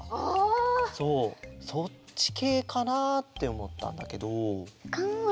そっちけいかなっておもったんだけど。